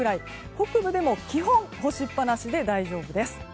北部でも基本干しっぱなしで大丈夫です。